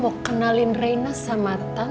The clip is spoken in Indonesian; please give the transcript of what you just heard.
mau kenalin reina sama